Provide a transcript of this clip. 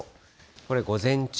これ、午前中。